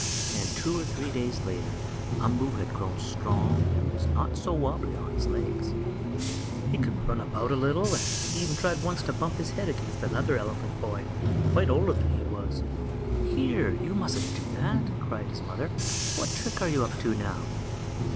And two or three days later Umboo had grown stronger and was not so wobbly on his legs. He could run about a little, and once he even tried to bump his head against another elephant boy, quite older than he was. "Here! You mustn't do that!" cried his mother. "What trick are you up to now?"